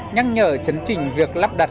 nhắc nhở chấn trình việc lắp đặt